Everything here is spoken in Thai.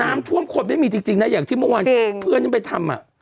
น้ำท่วมคนไม่มีจริงนะอย่างที่เมื่อวานเพื่อนฉันไปทำอ่ะ